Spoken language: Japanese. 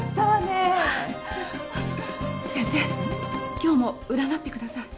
今日も占ってください。